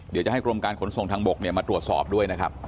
เดี๋ยวจะให้กรมการขนส่งทางบกมาตรวจสอบด้วยนะครับ